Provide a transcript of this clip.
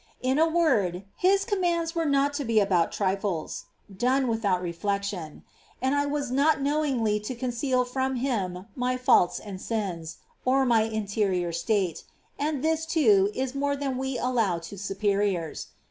In a word, his commands were not to be about trifles, done without reflection ; and I was not knowingly to conceal from him my faults and sins, or my in terior state ; and this, too, is more than we allow to superiors.